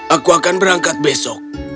aku akan berangkat besok